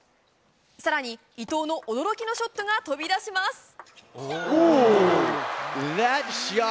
更に伊藤の驚きのショットが飛び出します。